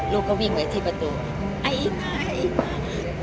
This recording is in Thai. ลูกเขาวิ่งไปที่ประตูอ่าอินมาอ่าอินมา